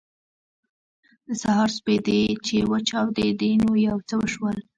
د سهار سپېدې چې وچاودېدې نو یو څه وشول